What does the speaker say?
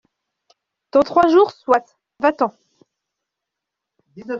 Dans trois jours soit, va-t'en.